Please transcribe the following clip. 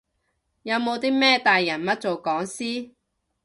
有冇啲咩大人物做講師？